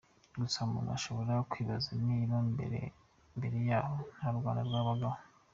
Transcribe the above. Gusa umuntu ashobora kwibaza niba mbere yaho nta Rwanda rwabagaho.